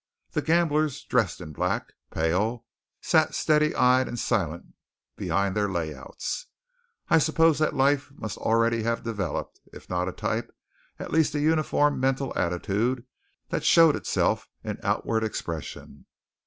The gamblers, dressed in black, pale, sat steady eyed and silent behind their layouts. I suppose the life must already have developed, if not a type, at least a uniform mental attitude that showed itself in outward expression.